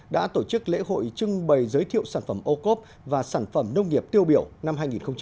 đã tổ chức lễ hội trưng bày giới thiệu sản phẩm ô cốp và sản phẩm nông nghiệp tiêu biểu năm hai nghìn hai mươi